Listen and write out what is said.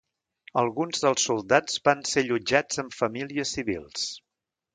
Alguns dels soldats van ser allotjats amb famílies civils.